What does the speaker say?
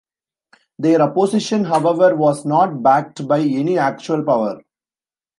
Their opposition, however, was not backed by any actual power.